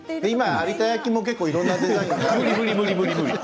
今、有田焼は結構いろんなデザインが。